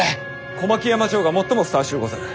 小牧山城が最もふさわしゅうござる。